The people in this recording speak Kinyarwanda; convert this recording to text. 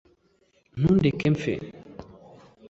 ntundeke mpfe